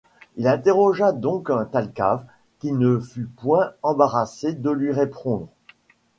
Il interrogea donc Thalcave, qui ne fut point embarrassé de lui répondre.